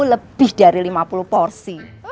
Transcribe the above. lebih dari lima puluh porsi